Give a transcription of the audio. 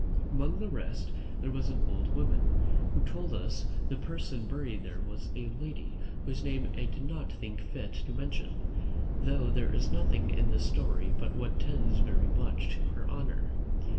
Among the rest there was an old woman, who told us the person buried there was a lady whose name I did not think fit to mention, though there is nothing in the story but what tends very much to her honour.